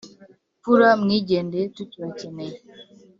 mfura mwigendeye tukibacyeneye